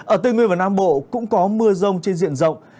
ở tây nguyên và nam bộ cũng có mưa rông trên diện rộng